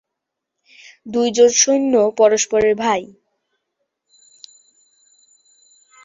দুইজন সৈন্য পরস্পরের ভাই।